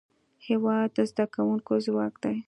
هېواد د زدهکوونکو ځواک دی.